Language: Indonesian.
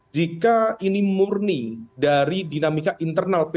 jika ini murni dari dinamika internal p tiga